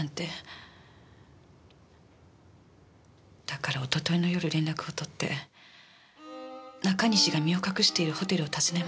だから一昨日の夜連絡をとって中西が身を隠しているホテルを訪ねました。